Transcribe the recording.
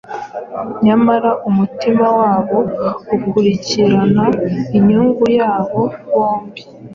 nyamara umutima wabo ukurikirana inyungu yabo bombi.